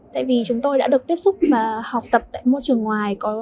tại vì chúng tôi đã được tiếp xúc và học tập tại môi trường ngoài